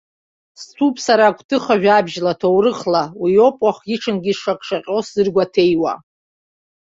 Сҭәуп сара гәҭыха-жәабжьла, ҭоурыхла, уи ауп уахгьы-ҽынгьы сшаҟьшаҟьо сзыргәаҭеиуа.